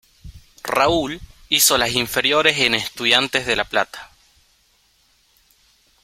Raúl, hizo las inferiores en Estudiantes de La Plata.